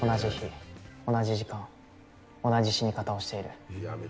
同じ時間、同じ死に方をしている。